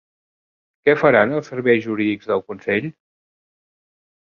Què faran els serveis jurídics del Consell?